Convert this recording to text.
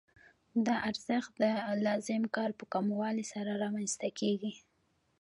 دا ارزښت د لازم کار په کموالي سره رامنځته کېږي